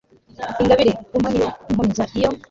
ingabire umpa niyo inkomeza iyo